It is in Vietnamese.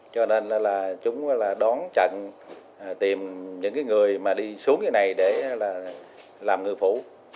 cho nên là chúng đó là đón trận tìm những cái người mà đi xuống như này để là làm người phủ